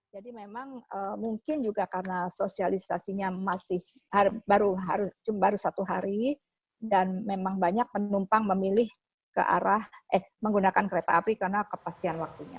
memang mungkin juga karena sosialisasinya masih baru satu hari dan memang banyak penumpang memilih ke arah eh menggunakan kereta api karena kepastian waktunya